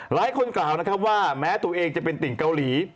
หลายคนกล่าวนะครับว่าแม้ตัวเองจะเป็นติ่งเกาหลี